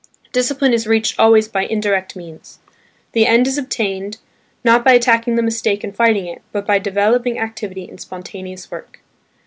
Discipline is reached always by indirect means. The end is obtained, not by attacking the mistake and fighting it, but by developing activity in spontaneous work.